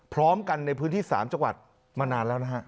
พร้อมกันในพื้นที่สามจักรวรรดิมานานแล้วนะครับ